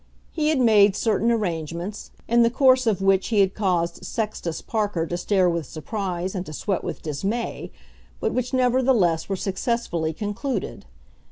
He had made certain arrangements, in the course of which he had caused Sextus Parker to stare with surprise and to sweat with dismay, but which nevertheless were successfully concluded.